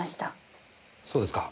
そうですか。